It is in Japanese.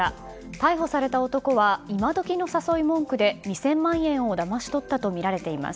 逮捕された男は今時の誘い文句で２０００万円をだまし取ったとみられています。